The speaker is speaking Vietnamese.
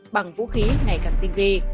bắn và chiến đấu